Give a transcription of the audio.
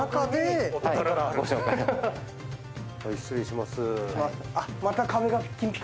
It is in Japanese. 失礼します。